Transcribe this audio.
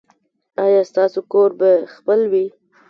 ایا ستاسو کور به خپل وي؟